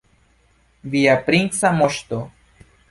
Via princa moŝto!